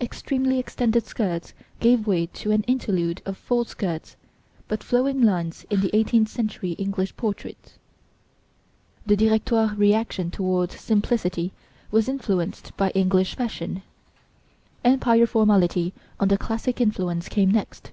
Extremely extended skirts gave way to an interlude of full skirts, but flowing lines in the eighteenth century English portraits. The Directoire reaction towards simplicity was influenced by English fashion. Empire formality under classic influence came next.